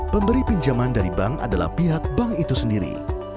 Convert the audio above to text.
pemberi pinjaman dari bank adalah pihak bank itu sendiri